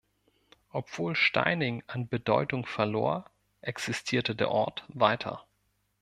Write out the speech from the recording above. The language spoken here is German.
Obwohl Steyning an Bedeutung verlor, existierte der Ort weiter.